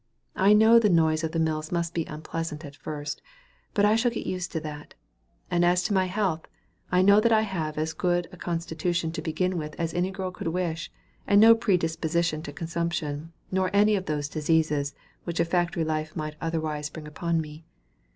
I know the noise of the mills must be unpleasant at first, but I shall get used to that; and as to my health, I know that I have as good a constitution to begin with as any girl could wish, and no predisposition to consumption, nor any of those diseases which a factory life might otherwise bring upon me.